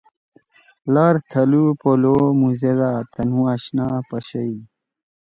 لار تھلُو پلو مُوزیدا تنُو آشنا پَشَئی۔